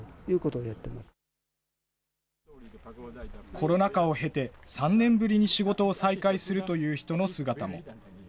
コロナ禍を経て、３年ぶりに仕事を再開するという人の姿も。